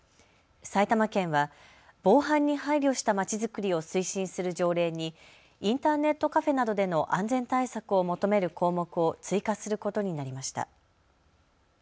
埼玉県は防犯に配慮したまちづくりを推進する条例にインターネットカフェなどでの安全対策を求める項目を追加することになりました。